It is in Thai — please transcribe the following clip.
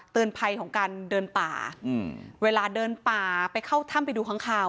ภัยของการเดินป่าอืมเวลาเดินป่าไปเข้าถ้ำไปดูข้างคาว